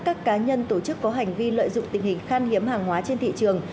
các cá nhân tổ chức có hành vi lợi dụng tình hình khan hiếm hàng hóa trên thị trường